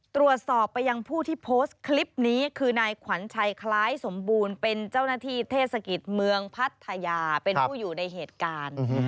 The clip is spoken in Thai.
ตรวจสอบไปยังผู้ที่โพสต์คลิปนี้คือนายขวัญชัยคล้ายสมบูรณ์เป็นเจ้าหน้าที่เทศกิจเมืองพัทยาเป็นผู้อยู่ในเหตุการณ์